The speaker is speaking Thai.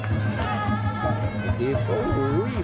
พยายามจะไถ่หน้านี่ครับการต้องเตือนเลยครับ